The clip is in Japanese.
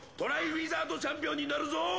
ウィザード・チャンピオンになるぞ！